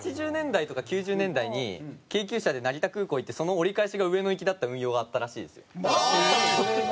８０年代とか９０年代に京急車で成田空港行ってその折り返しが上野行きだった運用があったらしいですよ。